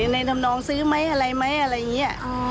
ทำนองซื้อไหมอะไรไหมอะไรอย่างนี้